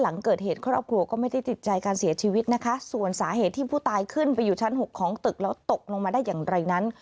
หลังเกิดเหตุครอบครัวก็ไม่ได้ติดใจการเสียชีวิตนะคะส่วนสาเหตุที่ผู้ตายขึ้นไปอยู่ชั้นหกของตึกแล้วตกลงมาได้อย่างไรนั้น